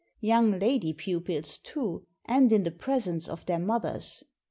Young lady pupils, too, and in the presence of their mothers!